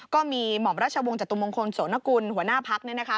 ก็มีหม่อมราชวงศ์จตุมงคลโสนกุลหัวหน้าพักเนี่ยนะคะ